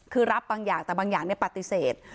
คือรับบางอย่างแต่บางอย่างปฏิเสธ